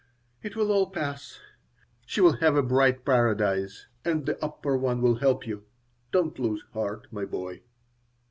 "It will all pass. She will have a bright paradise, and The Upper One will help you. Don't lose heart, my boy."